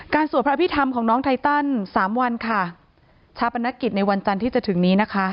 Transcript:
สวดพระอภิษฐรรมของน้องไทตันสามวันค่ะชาปนกิจในวันจันทร์ที่จะถึงนี้นะคะ